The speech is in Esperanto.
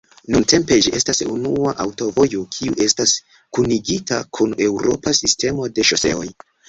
Nuntempe ĝi estas unua aŭtovojo kiu estas kunigita kun eŭropa sistemo de ŝoseoj.